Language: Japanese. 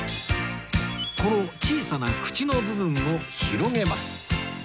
この小さな口の部分を広げます